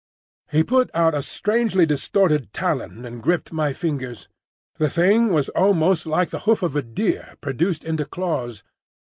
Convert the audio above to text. He put out a strangely distorted talon and gripped my fingers. The thing was almost like the hoof of a deer produced into claws.